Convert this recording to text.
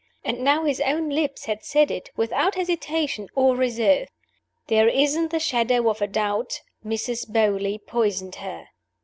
And now his own lips had said it, without hesitation or reserve! "There isn't the shadow of a doubt: Mrs. Beauly poisoned her."